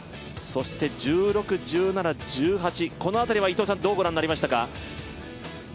１６、１７、１８、この辺りは伊藤さん、どうご覧になりましたか？